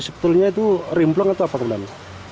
sebetulnya itu rimplong atau apa bapak bapak